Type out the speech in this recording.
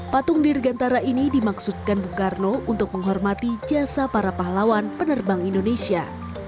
patung dirgantara ini dimaksudkan bung karno untuk menghormati jasa para pahlawan penerbang indonesia